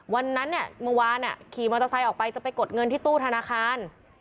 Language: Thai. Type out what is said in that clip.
วันนั้นเนี่ยเมื่อวานขี่มอเตอร์ไซค์ออกไปจะไปกดเงินที่ตู้ธนาคาร